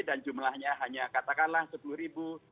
dan jumlahnya hanya katakanlah sepuluh ribu